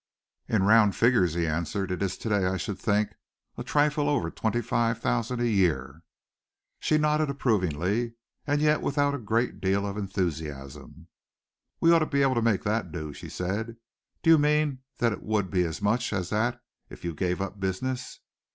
"In round figures," he answered, "it is to day, I should think, a trifle over twenty five thousand a year." She nodded approvingly, and yet without a great deal of enthusiasm. "We ought to be able to make that do," she said. "Do you mean that it would be as much as that if you gave up business?